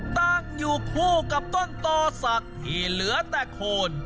ตั้งอยู่คู่กับต้นต่อศักดิ์ที่เหลือแต่โคน